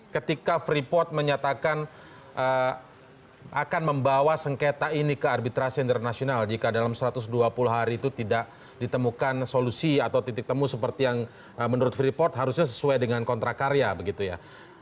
ketika freeport menyatakan akan membawa sengketa ini ke arbitrasi internasional jika dalam satu ratus dua puluh hari itu tidak ditemukan solusi atau titik temu seperti yang menurut freeport harusnya sesuai dengan kontrak karya begitu ya